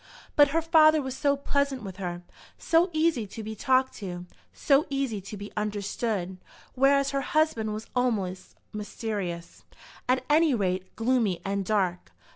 But her father was so pleasant with her, so easy to be talked to, so easy to be understood, whereas her husband was almost mysterious, at any rate, gloomy and dark.